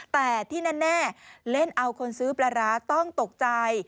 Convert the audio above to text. แต่ที่แน่เล่นเอาคนซื้อปลาร้าต้องตกใจ